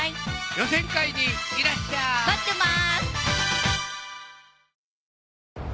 予選会にいらっしゃい待ってます